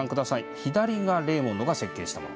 左がレーモンドが設計したもの。